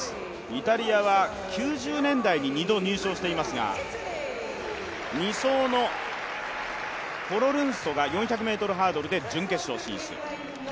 イタリアは９０年代に２度、入賞していますが２走のフォロルンソが４００ｍハードルで準決勝。